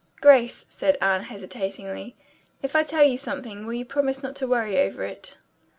"Grace," said Anne hesitatingly, "if I tell you something, will you promise not to worry over it?"